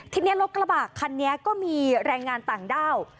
ทีนี้รถกระบะคันนี้ก็มีแรงงานต่างด้าว